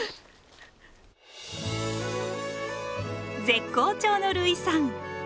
絶好調の類さん。